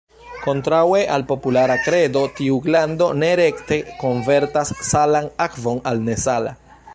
Kontraŭe al populara kredo, tiu glando ne rekte konvertas salan akvon al nesala.